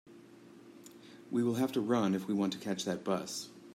We will have to run if we want to catch that bus.